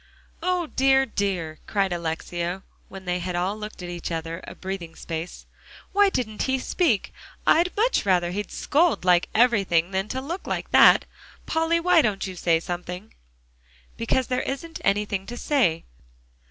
"O dear, dear!" cried Alexia, when they had all looked at each other a breathing space. "Why didn't he speak? I'd much rather he'd scold like everything than to look like that. Polly, why don't you say something?" "Because there isn't anything to say."